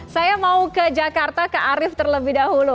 saya mau ke jakarta ke arief terlebih dahulu